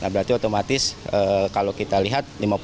berarti otomatis kalau kita lihat